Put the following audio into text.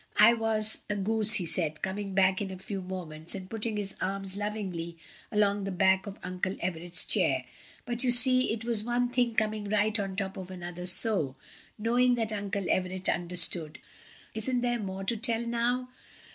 "I was a goose," he said, coming back in a few moments, and putting his arm lovingly along the back of Uncle Everett's chair; "but, you see, it was one thing coming right on the top of another so," knowing that Uncle Everett understood. "Isn't there more to tell now?"